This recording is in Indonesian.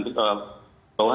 di bawah enam puluh lima